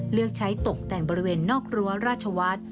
เลือกใช้ตกแต่งบริเวณนอกรั้วราชวัฒน์